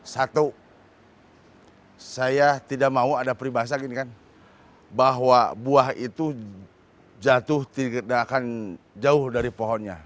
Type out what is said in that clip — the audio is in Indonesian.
satu saya tidak mau ada peribahasa gini kan bahwa buah itu jatuh tidak akan jauh dari pohonnya